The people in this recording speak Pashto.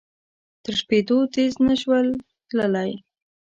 تر شپېتو تېز نه شول تللای.